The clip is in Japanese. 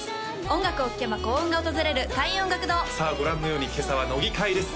音楽を聴けば幸運が訪れる開運音楽堂さあご覧のように今朝は乃木回です